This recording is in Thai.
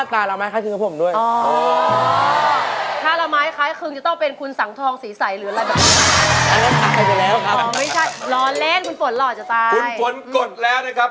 ตัวเล้วนะครับคุณฝนหน่อจะตายคุณฝนกดแล้วนะครับ